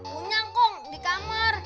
punya kong di kamar